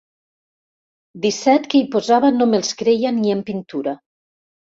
Disset que hi posava no me'ls creia ni en pintura.